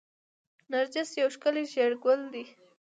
نرجس یو ښکلی ژیړ ګل دی